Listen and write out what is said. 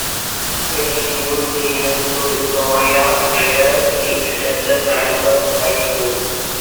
In his youth he moved to Victoria, where he attended Melbourne High School.